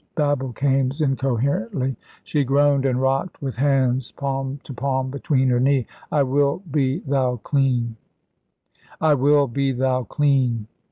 babbled Kaimes, incoherently. She groaned and rocked with hands palm to palm between her knee. "I will, be thou clean; I will, be thou clean."